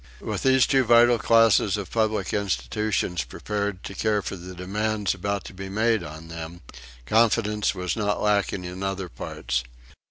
With these two vital classes of public institutions prepared to care for the demands about to be made on them, confidence was not lacking in other parts.